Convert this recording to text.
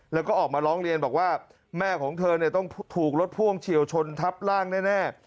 แล้วก็ออกมาร้องเรียนบอกว่าแม่ของเธอต้องถูกรถพ่วงเฉียวชนทับร่างแน่